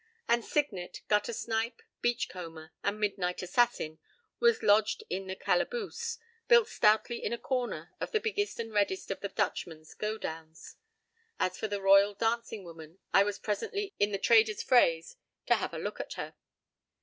And Signet, guttersnipe, beach comber, and midnight assassin, was lodged in the "calaboose," built stoutly in a corner of the biggest and reddest of the Dutchman's godowns. As for the royal dancing woman, I was presently in the trader's phrase, to "have a look at her."